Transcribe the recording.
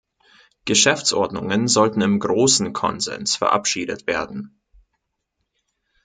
Geschäftsordnungen sollten im großen Konsens verabschiedet werden.